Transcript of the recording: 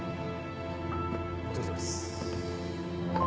お疲れさまです。